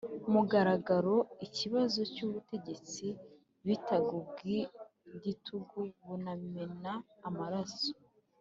mugaragaro ikibazo cy'ubutegetsi bitaga ubwigitugu bunamena amaraso.